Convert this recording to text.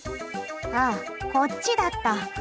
あ、こっちだった。